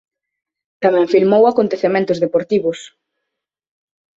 Tamén filmou acontecementos deportivos.